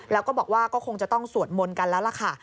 แล้วก็บอกว่าก็คงจะต้องสวดมนต์กันแล้วล่ะค่ะ